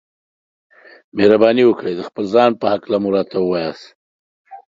مهرباني وکړئ د خپل ځان په هکله مو راته ووياست.